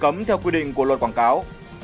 cấm theo quy định của luật quảng cáo